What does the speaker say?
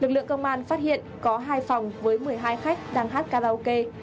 lực lượng công an phát hiện có hai phòng với một mươi hai khách đang hát karaoke